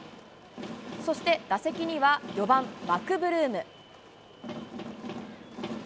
そして、打席には４番マクブルーム。